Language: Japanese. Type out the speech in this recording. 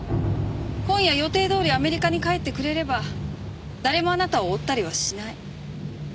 今夜予定どおりアメリカに帰ってくれれば誰もあなたを追ったりはしない。